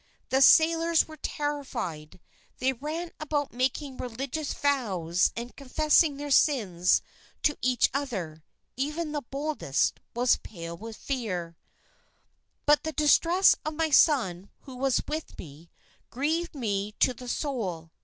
The sailors were terrified, they ran about making religious vows and confessing their sins to each other. Even the boldest was pale with fear. "But the distress of my son who was with me, grieved me to the soul